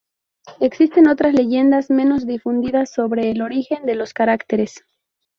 Existen otras leyendas menos difundidas sobre el origen de los caracteres.